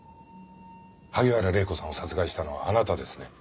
萩原礼子さんを殺害したのはあなたですね？